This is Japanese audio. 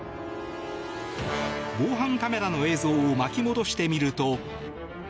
防犯カメラの映像を巻き戻してみると。